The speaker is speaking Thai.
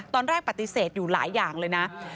ตอนแรกปฏิเสธอยู่หลายอย่างเลยนะ